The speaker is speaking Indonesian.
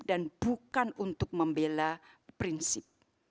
dan bukan untuk membela prinsip